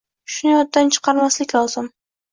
Shuni yoddan chiqarmaslik lozim